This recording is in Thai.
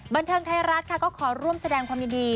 บันเทิงไทยรัฐค่ะก็ขอร่วมแสดงความยินดี